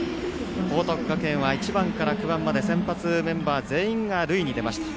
報徳学園は１番から９番まで先発メンバー全員が塁に出ました。